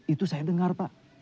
itu saya dengar pak